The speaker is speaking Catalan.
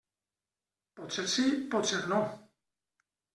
Potser sí, potser no.